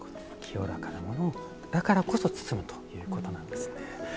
清らかなものだからこそ包むということなんですね。